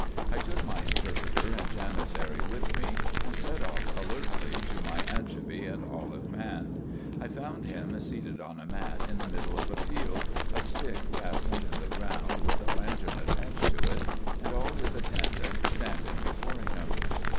I took my interpreter and Janizary with me, and set off alertly to my anchovy and olive man. I found him seated on a mat in the middle of a field, a stick fastened in the around with a lantern attached to it, and all his attendants stand ing before him.